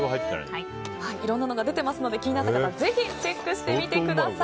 いろいろなのが出ていますので気になった方はぜひチェックしてみてください。